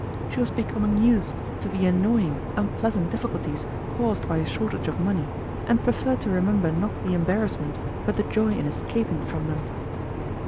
She was becoming used to the annoying, unpleasant difficulties caused by a shortage of money and preferred to remember not the embarrassment but the joy in escaping from them.